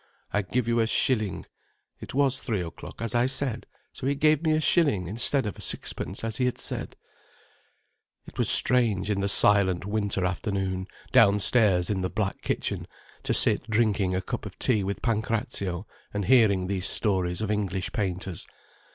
I give you a shilling—' It was three o'clock, as I said, so he gave me a shilling instead of sixpence as he had said—" It was strange, in the silent winter afternoon, downstairs in the black kitchen, to sit drinking a cup of tea with Pancrazio and hearing these stories of English painters.